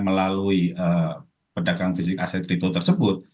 melalui pedagang fisik aset kripto tersebut